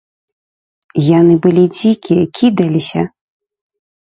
Яны былі дзікія, кідаліся.